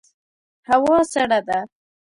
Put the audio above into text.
هوا سړه ده